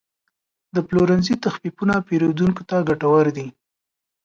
د پلورنځي تخفیفونه پیرودونکو ته ګټور دي.